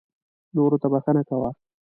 نورو ته بښنه کوه .